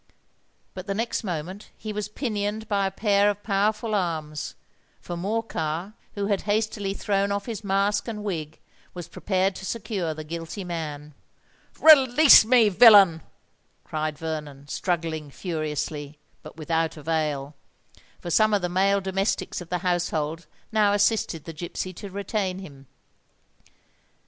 But the next moment he was pinioned by a pair of powerful arms; for Morcar, who had hastily thrown off his mask and wig, was prepared to secure the guilty man. "Release me, villain!" cried Vernon, struggling furiously—but without avail; for some of the male domestics of the household now assisted the gipsy to retain him.